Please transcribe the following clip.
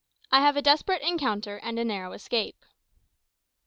I HAVE A DESPERATE ENCOUNTER AND A NARROW ESCAPE.